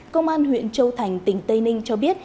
công an huyện châu thành tỉnh tây ninh cho biết